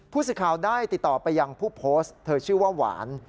สิทธิ์ข่าวได้ติดต่อไปยังผู้โพสต์เธอชื่อว่าหวาน